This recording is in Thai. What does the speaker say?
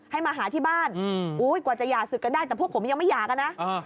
ให้มาหาที่บ้านกว่าจะหย่าศึกกันได้แต่พวกผมยังไม่หย่ากันนะ